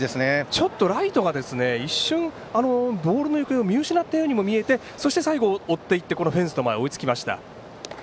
ちょっとライトが一瞬、ボールの行方を見失ったようにも見えてそして最後追っていってフェンスの前、追いつきました。